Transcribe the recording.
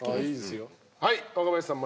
はい若林さん